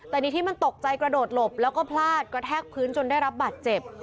แต่นี่ที่มันตกใจกระโดดหลบแล้วก็พลาดกระแทกพื้นจนได้รับบาดเจ็บ